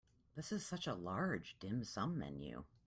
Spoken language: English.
This is such a large dim sum menu.